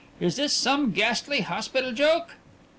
"Is this some ghastly hospital joke?